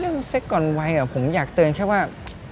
เซ็กก่อนวัยผมอยากเตือนแค่ว่า